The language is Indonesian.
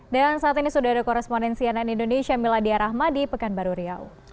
dan saat ini sudah ada korespondensi ann indonesia miladiyarrahma di pekanbaru riau